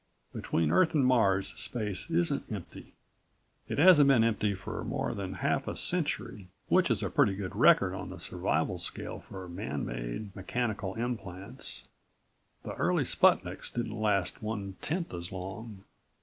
Between Earth and Mars space isn't empty. It hasn't been empty for more than half a century, which is a pretty good record on the survival scale for man made, mechanical implants. The early Sputniks didn't last one tenth as long.